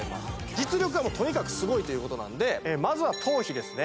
実力がとにかくすごいということなんでまずは頭皮ですね